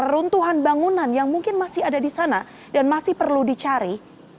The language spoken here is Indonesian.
runtuhan bangunan yang mungkin masih ada di sana dan masih perlu dicari